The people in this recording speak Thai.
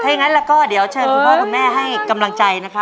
เท่านั้นแหละก็เดี๋ยวเชิญพ่อและคุณแม่ให้กำลังใจ